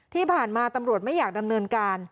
ที่ผ่านมาตำรวจไม่อยากดำเนินการ